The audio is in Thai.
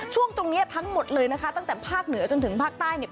ช่วงตรงเนี้ยทั้งหมดเลยนะคะตั้งแต่ภาคเหนือจนถึงภาคใต้เนี่ย